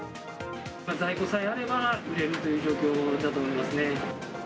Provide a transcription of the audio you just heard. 在庫さえあれば売れるという状況だと思いますね。